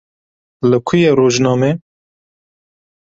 Li ku ye rojname?